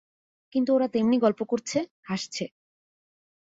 কিন্তু ওরা তেমনি গল্প করছে, হাসছে।